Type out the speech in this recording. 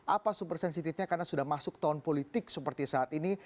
apa super sensitifnya karena sudah masuk tahun politik seperti saat ini